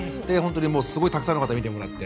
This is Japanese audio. すごいたくさんの方に見てもらってて。